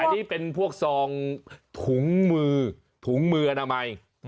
อันนี้เป็นพวกซองถุงมือถุงมืออันดับใหม่